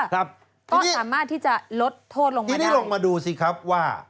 ก็สามารถที่จะลดโทษลงมาได้นี่ลงมาดูซิครับว่า